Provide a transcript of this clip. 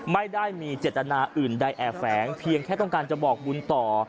ไม่ได้มีเจตนาอื่นใดแอบแฝงเพียงแค่ต้องการจะบอกบุญต่อ